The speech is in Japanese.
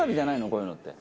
こういうのって。